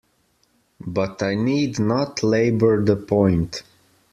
But I need not labour the point.